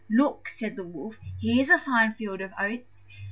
"Look," said the Wolf, "here's a fine field of oats.